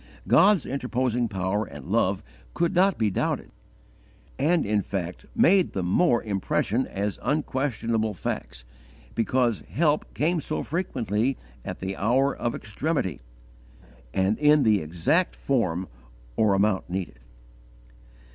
God's interposing power and love could not be doubted, and in fact made the more impression as unquestionable facts, because help came so frequently at the hour of extremity, and in the exact form or amount needed.